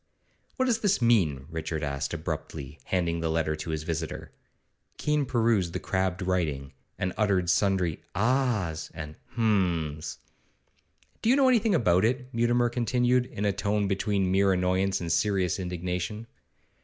'What does this mean?' Richard asked abruptly, handing the letter to his visitor. Keene perused the crabbed writing, and uttered sundry 'Ah's' and 'Hum's.' 'Do you know anything about it?' Mutimer continued, in a tone between mere annoyance and serious indignation.